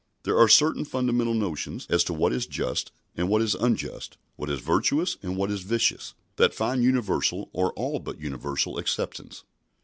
There are certain fundamental notions as to what is just and what is unjust, what is virtuous and what is vicious, that find universal or all but universal acceptance.